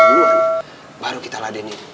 duluan baru kita ladenin